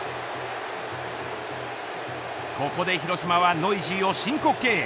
ここで広島はノイジーを申告敬遠。